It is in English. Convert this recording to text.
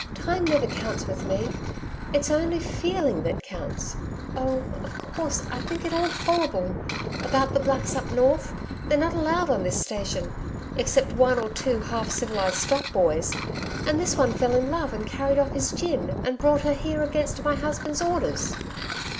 Time never counts with me. It's only feeling that counts. Oh, of course, I think it all horrible about the Blacks up North. They're not allowed on this station except one or two half civilised stock boys and this one fell in love and carried off his gin, and brought her here against my husband's orders.'